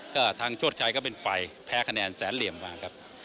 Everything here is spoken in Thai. ก็ทางโชชัยก็เป็นฝ่ายแพ้คะแนนแสนเหลี่ยมมาครับ